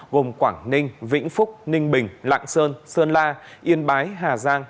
gồm quảng ninh vĩnh phúc ninh bình lạng sơn sơn la yên bái hà giang